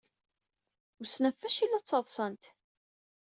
Wissen ɣef wacu ay la ttaḍsant.